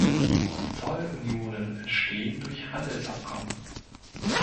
Zollunionen entstehen durch Handelsabkommen.